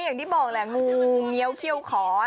อย่างที่บอกแหละงูเงี้ยวเขี้ยวขอ